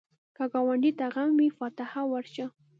که ګاونډي ته غم وي، فاتحه ورشه